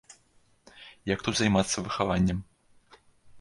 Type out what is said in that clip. Як тут займацца выхаваннем?